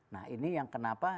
nah ini yang kenapa